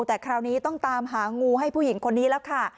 แต่คราวนี้ต้องตามหางูให้ผู้หญิงคนนี้แล้วค่ะ